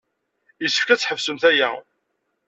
Yessefk ad tḥebsemt aya.